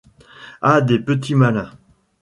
À des petits malins.